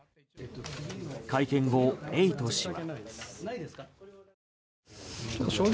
会見後、エイト氏は。